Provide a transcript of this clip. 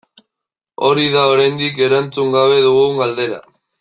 Hori da oraindik erantzun gabe dugun galdera.